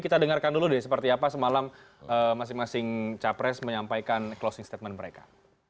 kita dengarkan dulu deh seperti apa semalam masing masing capres menyampaikan closing statement mereka